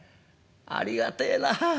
ありがてえなあ。